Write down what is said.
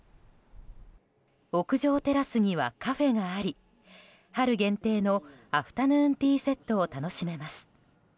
屋上テラスにはカフェがあり春限定のアフタヌーンティーセットを楽しめます。